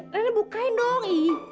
renek bukain dong